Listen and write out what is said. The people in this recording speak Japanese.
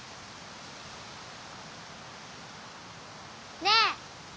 ねえ。